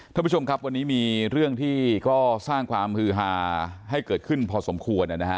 ท่านผู้ชมครับวันนี้มีเรื่องที่ก็สร้างความฮือฮาให้เกิดขึ้นพอสมควรนะฮะ